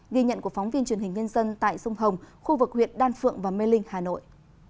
ghi nhận của phóng viên truyền hình nhân dân tại sông hồng khu vực huyện đan phượng và mê linh hà nội